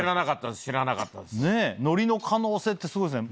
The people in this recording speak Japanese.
のりの可能性ってすごいですね。